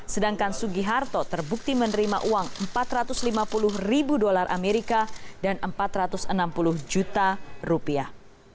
sedangkan sugiharto terbukti menerima uang empat ratus lima puluh ribu dolar amerika dan empat ratus enam puluh juta rupiah